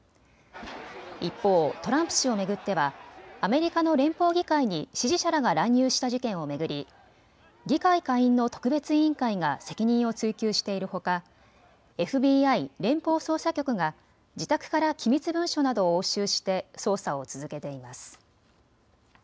一方、トランプ氏を巡ってはアメリカの連邦議会に支持者らが乱入した事件を巡り、議会下院の特別委員会が責任を追及しているほか、ＦＢＩ・連邦捜査局が自宅から機密文書などを押収して捜査を続けています。